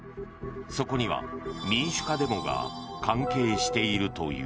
そこには民主化デモが関係しているという。